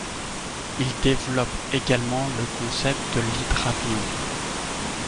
Il développe également le concept de l'hydravion.